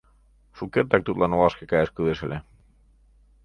— Шукертак тудлан олашке каяш кӱлеш ыле...